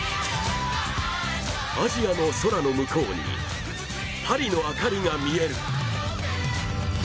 アジアの空の向こうに、パリの明かりが見える。